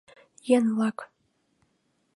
— Еҥ-влак.